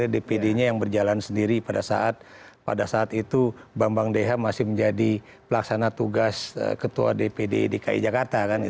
dpdnya yang berjalan sendiri pada saat itu bambang deha masih menjadi pelaksana tugas ketua dpd di ki jakarta kan